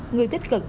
người tích cực